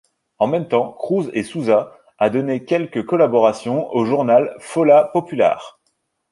Au même temps, Cruz e Souza a donné quelques collaborations au journal Folha Popular.